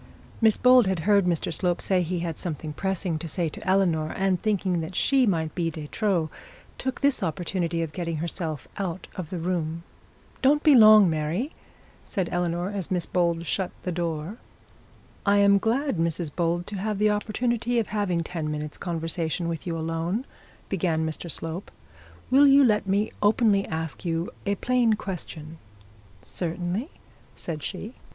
Miss Bold had heard Mr Slope say he had something pressing to say to Eleanor, and thinking that she might be de trop, took the opportunity of getting herself out of the room. 'Don't be long, Mary,' said Eleanor, as Miss Bold shut the door. 'I am glad, Mrs Bold, to have the opportunity of having ten minutes' conversation with you alone,' began Mr Slope. 'Will you let me openly ask you a plain question?' 'Certainly,' said she.